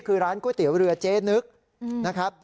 คือร้านก๋วยเตี๋ยวเรือเจ๊นึกนะครับ